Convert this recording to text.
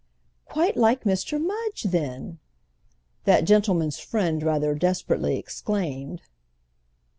"Quite like Mr. Mudge, then!" that gentleman's friend rather desperately exclaimed.